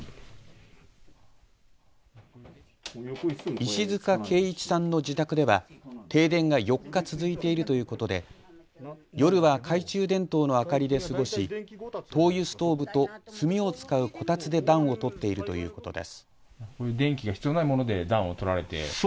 石塚慶一さんの自宅では停電が４日続いているということで夜は懐中電灯の明かりで過ごし灯油ストーブと炭を使うこたつで暖を取っているということです。